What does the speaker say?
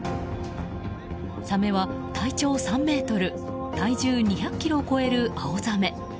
サメは体長３ｍ体重２００ｋｇを超えるアオザメ。